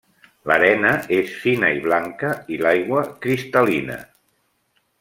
L'arena és fina i blanca i l'aigua, cristal·lina.